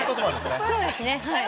そうですねはい。